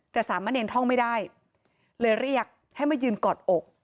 แต่สามะเนรท่องไม่ได้เลยเรียกให้มายืนกอดอก